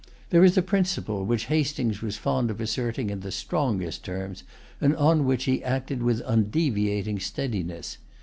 There is a principle which Hastings was fond of asserting in the strongest terms, and on which he acted with undeviating steadiness.